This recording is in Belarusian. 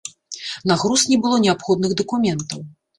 На груз не было неабходных дакументаў.